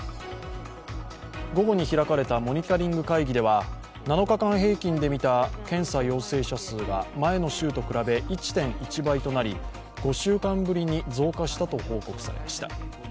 午後に開かれたモニタリング会議では、７日間平均で見た検査陽性者数が前の週と比べ１．１倍となり５週間ぶりに増加したと報告されました。